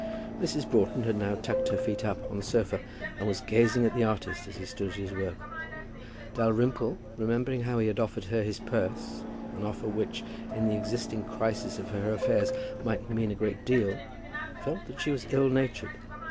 Mrs. Broughton had now tucked her feet up on the sofa, and was gazing at the artist as he stood at his work. Dalrymple, remembering how he had offered her his purse, an offer which, in the existing crisis of her affairs, might mean a great deal, felt that she was ill natured.